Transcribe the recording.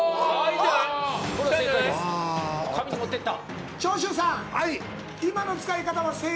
髪に持っていった。